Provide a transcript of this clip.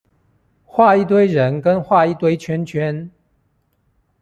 畫一堆人跟畫一堆圈圈